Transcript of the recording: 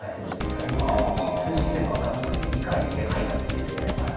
あれ演じているときに数式全部頭の中で理解して書いたって言ってて。